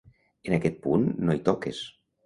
En aquest punt no hi toques.